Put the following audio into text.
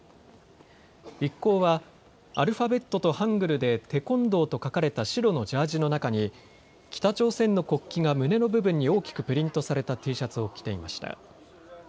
一行はアルファベットとハングルでテコンドーと書かれた白のジャージの中に北朝鮮の国旗が胸の部分に大きくプリントされたＴシャツを着ていました。